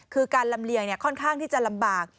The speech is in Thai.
คือการลำเลียงค่อนข้างที่จะลำบาก